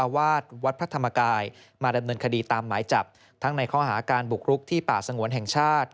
วาดวัดพระธรรมกายมาดำเนินคดีตามหมายจับทั้งในข้อหาการบุกรุกที่ป่าสงวนแห่งชาติ